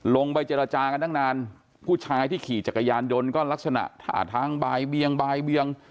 ลงไปเจรจากันตั้งนานผู้ชายที่ขี่จักรยานยนต์ก็ลักษณะท่าทางบ่ายเบียงบายเบียง